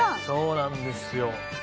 そうなんですよ。